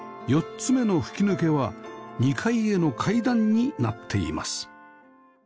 ４つ目の吹き抜けは２階への階段になっています